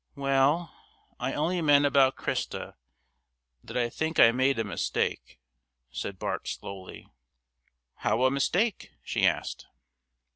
"Well, I only meant about Christa that I think I made a mistake," said Bart slowly. "How a mistake?" she asked.